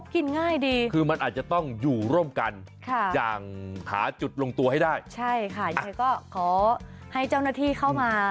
กินง่ายกว่าเติม